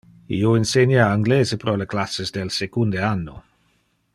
Io insenia anglese pro le classes del secunde anno.